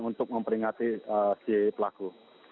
untuk memperingati si pelaku